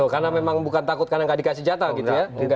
karena memang bukan takut karena gak dikasih jatah gitu ya